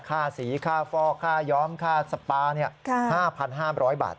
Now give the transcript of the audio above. ค่าสีค่าฟอกค่าย้อมค่าสปา๕๕๐๐บาท